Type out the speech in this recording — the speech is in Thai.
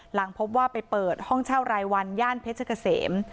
หลังพบว่าไปเปิดห้องเช่ารายวันย่านเพชรเกษม